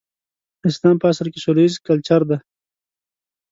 اسلام په اصل کې سوله ييز کلچر دی.